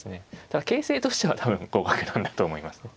ただ形勢としては多分負けなんだと思いますね。